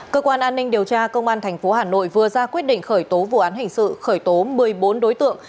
cơ quan an ninh điều tra công an tp hà nội vừa ra quyết định khởi tố vụ án hình sự khởi tố một mươi bốn đối tượng